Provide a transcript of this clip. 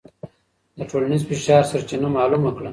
د ټولنیز فشار سرچینه معلومه کړه.